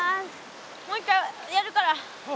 もう一回やるから。